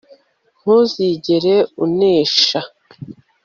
Ntuzigera unesha